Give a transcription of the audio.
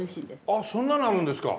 あっそんなのあるんですか。